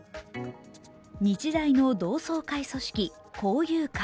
日大の同窓会組織・校友会。